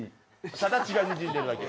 ただ、血がにじんでいるだけ。